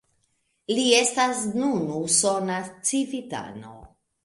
Li estas nun usona civitano.